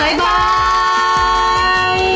บ๊ายบาย